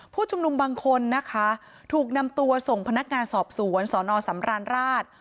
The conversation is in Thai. ผู้ชุมนุมบางคนนะคะถูกนำตัวส่งพนักงานสอบสวนสนสำราญราช